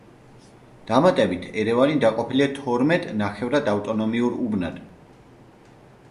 დამატებით, ერევანი დაყოფილია თორმეტ ნახევრად ავტონომიურ უბნად.